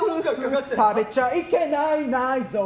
食べちゃいけない内臓！